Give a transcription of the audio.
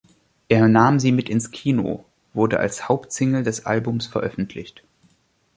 „Er nahm sie mit ins Kino“ wurde als Hauptsingle des Albums veröffentlicht.